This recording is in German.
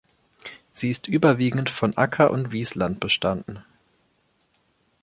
Sie ist überwiegend von Acker- und Wiesland bestanden.